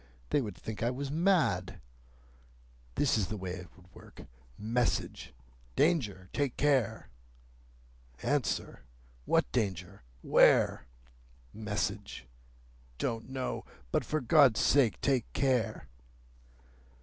They would think I was mad. This is the way it would work,—Message: 'Danger! Take care!' Answer: 'What Danger? Where?' Message: 'Don't know. But, for God's sake, take care!